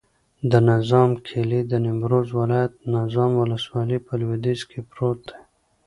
د نظام کلی د نیمروز ولایت، نظام ولسوالي په لویدیځ کې پروت دی.